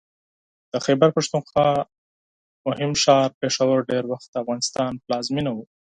د خیبر پښتونخوا مهم ښار پېښور ډېر وخت د افغانستان پلازمېنه وه